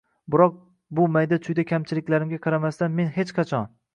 Biroq, bu mayda-chuyda kamchiliklarimga qaramasdan men hech qachon.